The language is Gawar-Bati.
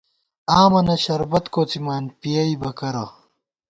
آمَنہ شربت کوڅِمان پِیَئیبہ کرہ